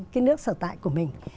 cái nước sở tại của mình